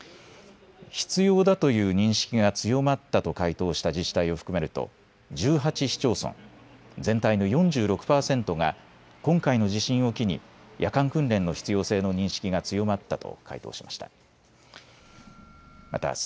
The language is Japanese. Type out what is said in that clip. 必要だという認識が強まったと回答した自治体を含めると１８市町村、全体の４６％が今回の地震を機に夜間訓練の必要性の認識が強まったと回答しました。